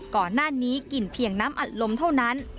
ก่อนหน้านี้กินเพียงน้ำอัดลมเท่านั้น